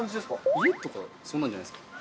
家とか、そんなんじゃないですか？